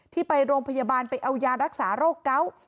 ที่ไปโรงพยาบาลไปเอายารักษาโรคเกาะ